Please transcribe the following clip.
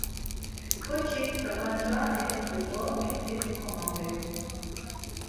Ǩoçik t̆apanca elitzǩu do mtutis konoğiru.